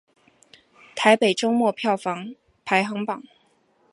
台北周末票房排行榜